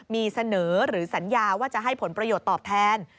มีเสนอหรือสัญญาว่าจะให้ผลประโยชน์ตอบแทน